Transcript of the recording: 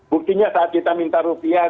buktinya saat kita minta rupiah